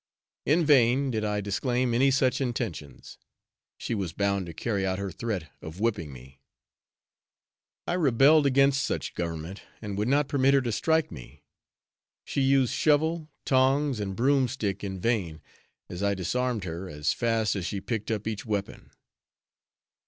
In vain did I disclaim any such intentions. She was bound to carry out her threat of whipping me. I rebelled against such government, and would not permit her to strike me; she used shovel, tongs and broomstick in vain, as I disarmed her as fast as she picked up each weapon.